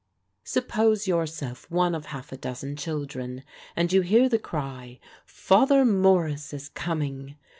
Suppose yourself one of half a dozen children, and you hear the cry, "Father Morris is coming!"